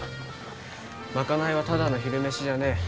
賄いはただの昼飯じゃねえ。